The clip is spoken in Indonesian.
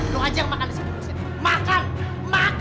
lu aja yang makan disini